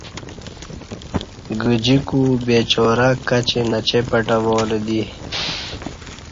گجیکو بے چارہ کچی نچیں پٹہ والہ دی